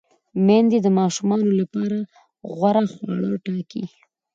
میندې د ماشومانو لپاره غوره خواړه ټاکي۔